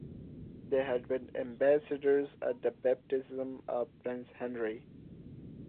They had been ambassadors at the baptism of Prince Henry.